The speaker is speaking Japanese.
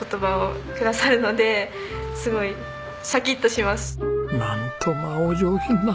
時にはなんとまあお上品な！